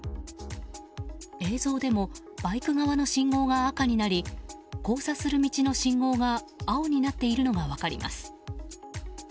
映像でもバイク側の信号が赤になり交差する道の信号が青になっているのが分かります。